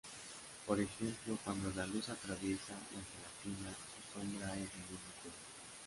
Por ejemplo, cuando la luz atraviesa la gelatina, su sombra es del mismo color.